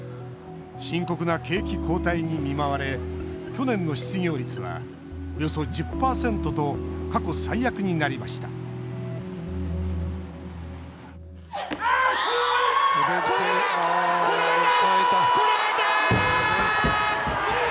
深刻な景気後退に見舞われ去年の失業率は、およそ１０％と過去最悪になりました超えた！